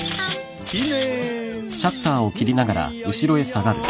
いいねえ。